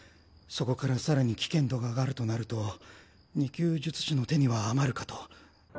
そこから更に危険度が上がるとなると２級術師の手には余るかと。